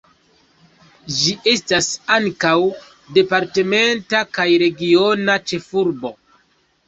Ĝi estas ankaŭ departementa kaj regiona ĉefurbo.